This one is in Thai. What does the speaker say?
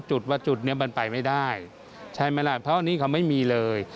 จุดว่าจุดนี้มันไปไม่ได้ใช่ไหมล่ะเพราะอันนี้เขาไม่มีเลย